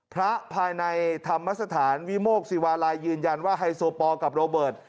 ภายในธรรมสถานวิโมกศิวาลัยยืนยันว่าไฮโซปอลกับโรเบิร์ต